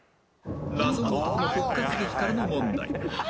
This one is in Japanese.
謎の男の復活劇からの問題